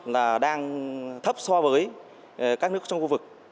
là đang thấp so với các nước trong khu vực